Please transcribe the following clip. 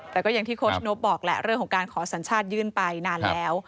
แต่ก็อย่างที่โค้ชนกบอกแหละเรื่องของการขอสัญชาติยื่นไปนานแล้ว